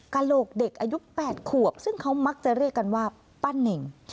กระโหลกเด็กอายุ๘ขวบซึ่งเขามักจะเรียกกันว่าป้าเน่ง